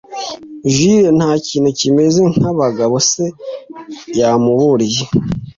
Jule ntakintu kimeze nkabagabo se yamuburiye.